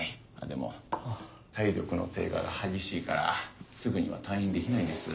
でも体力の低下が激しいからすぐには退院できないです。